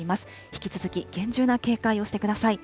引き続き厳重な警戒をしてください。